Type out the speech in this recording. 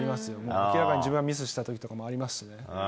明らかに自分がミスしたときとかもありますし。